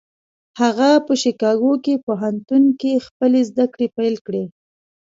هغه په شيکاګو پوهنتون کې خپلې زدهکړې پيل کړې.